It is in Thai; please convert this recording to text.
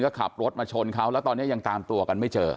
ก็ขับรถมาชนเขาแล้วตอนนี้ยังตามตัวกันไม่เจอ